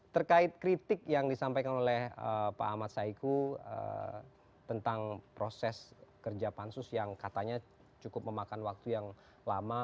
terkait kritik yang disampaikan oleh pak ahmad saiku tentang proses kerja pansus yang katanya cukup memakan waktu yang lama